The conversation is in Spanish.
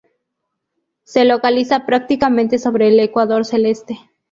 Se localiza prácticamente sobre el ecuador celeste.